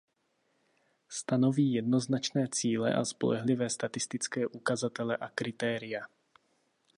Stanoví jednoznačné cíle a spolehlivé statistické ukazatele a kritéria.